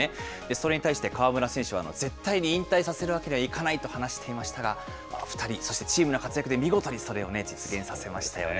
それに対して河村選手は、絶対に引退させるわけにはいかないと話していましたが、２人、そしてチームの活躍で見事にそれをね、実現させましたよね。